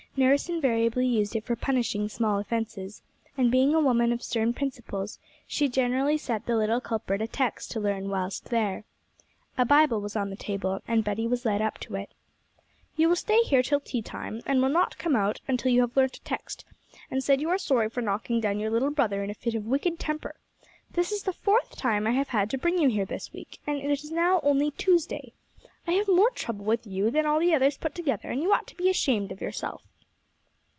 Nurse invariably used it for punishing small offences, and being a woman of stern principles, she generally set the little culprit a text to learn whilst there. A Bible was on the table, and Betty was led up to it. 'You will stay here till tea time, and will not come out until you have learnt a text, and said you are sorry for knocking down your little brother in a fit of wicked temper. This is the fourth time I have had to bring you here this week, and it is now only Tuesday. I have more trouble with you than all the others put together, and you ought to be ashamed of yourself.'